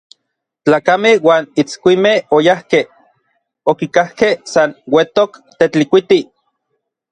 Tlakamej uan itskuimej oyajkej, okikajkej san uetok Tetlikuiti.